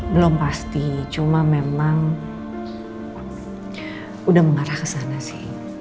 belum pasti cuma memang udah mengarah ke sana sih